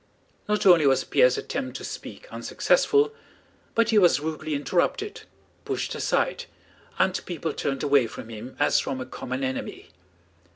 Not only was Pierre's attempt to speak unsuccessful, but he was rudely interrupted, pushed aside, and people turned away from him as from a common enemy.